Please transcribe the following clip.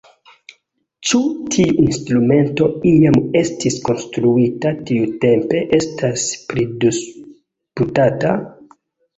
Ĉu tiu instrumento iam estis konstruita tiutempe estas pridisputata.